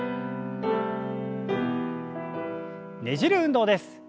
ねじる運動です。